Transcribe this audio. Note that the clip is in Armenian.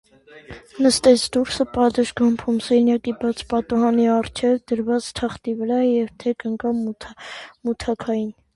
Նստեց դուրսը, պատշգամբում, սենյակի բաց պատուհանի առջև դրված թախտի վրա և թեք ընկավ մութաքային: